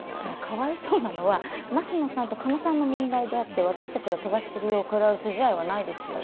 かわいそうなのは升野さんと狩野さんの問題であって私たちがとばっちりを食らう筋合いはないですよ。